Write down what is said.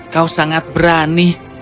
kau sangat berani